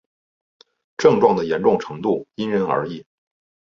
症状的严重程度因人而异。